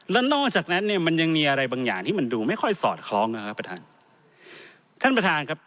และนอกจากนั้นยังมีอะไรบางอย่างที่โดนดูไม่ค่อยสอดคล้องนะครับ